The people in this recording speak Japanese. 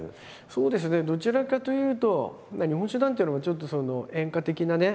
そうですねどちらかというと日本酒なんていうのもちょっと演歌的なね